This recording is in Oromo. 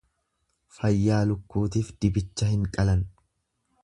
Fayyaa lukkuutif dibicha hin qalan.